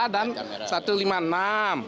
dan satu ratus lima puluh enam ayat a